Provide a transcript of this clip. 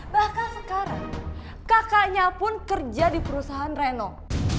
bahkan sekarang kakaknya pun kerja di perusahaan renov